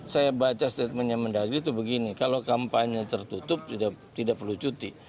saya baca statementnya mendagri itu begini kalau kampanye tertutup tidak perlu cuti